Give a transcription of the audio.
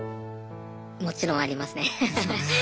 もちろんありますね。ですよね。